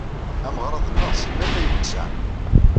Ameɣrad-nneɣ simal la iwesseɛ.